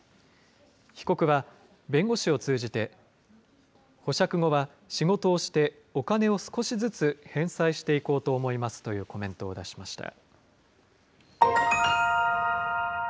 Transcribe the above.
被告は弁護士を通じて、保釈後は仕事をして、お金を少しずつ返済していこうと思いますというコメントを出しました。